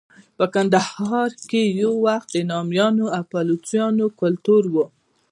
په کندهار کې یو وخت د نامیانو او پایلوچانو کلتور و.